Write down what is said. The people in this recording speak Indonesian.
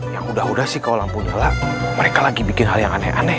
yang udah udah sih kalau lampu merah mereka lagi bikin hal yang aneh aneh